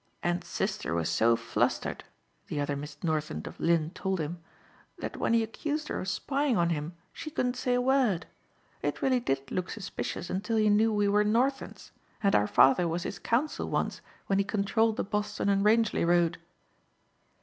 "And sister was so flustered," the other Miss Northend of Lynn told him, "that when he accused her of spying on him she couldn't say a word. It really did look suspicious until he knew we were Northends and our father was his counsel once when he controlled the Boston and Rangely road."